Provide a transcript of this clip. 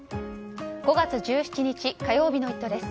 ５月１７日、火曜日の「イット！」です。